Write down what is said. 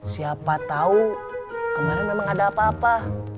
siapa tahu kemarin memang ada apa apa